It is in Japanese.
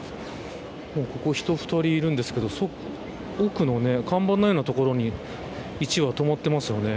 人が２人いるんですけど奥の看板のようなところに止まっていますよね。